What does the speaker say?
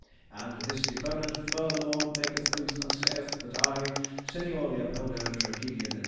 And this deponent furthermore maketh oath and saith that I, Signor Leopoldo, tragedian, &e.